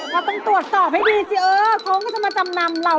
เราต้องตรวจสอบให้ดีสิเออเขาก็จะมาจำนำเรา